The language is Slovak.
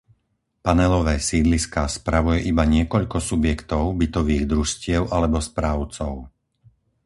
Panelové sídliská spravuje iba niekoľko subjektov, bytových družstiev alebo správcov.